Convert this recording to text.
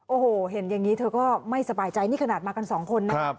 โอ้โหเห็นอย่างนี้เธอก็ไม่สบายใจนี่ขนาดมากันสองคนนะครับ